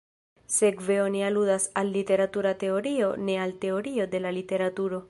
Sekve oni aludas al "literatura teorio", ne al "teorio de la literaturo".